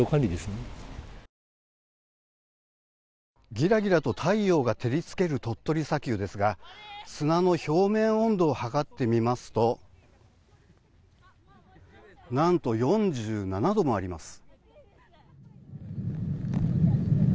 ギラギラと太陽が照り付ける鳥取砂丘ですが砂の表面温度を測ってみますと何と、４７度もあります。